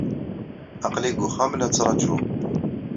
Aql-i deg uxxam, la ttrajuɣ.